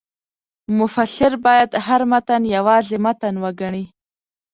مفسر باید هر متن یوازې متن وګڼي.